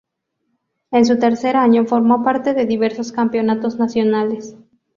En su tercer año formó parte de diversos campeonatos nacionales.